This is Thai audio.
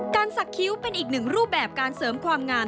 สักคิ้วเป็นอีกหนึ่งรูปแบบการเสริมความงาม